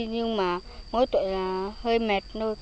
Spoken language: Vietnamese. nhưng mà mỗi tuổi là hơi mệt